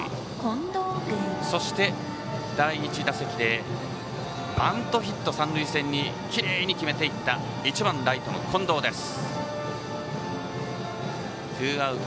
そして第１打席でバントヒットを三塁線にきれいに決めていった１番ライトの近藤です。